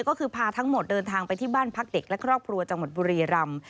ก็คือพาทั้งหมดเดินทางไปที่บ้านพักเด็กและครอบครัวจังหวัดบุรีรำ